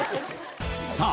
さあ